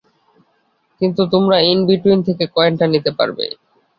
কিন্তু তোমরা in between থেকে কয়েনটা নিতে পারবে।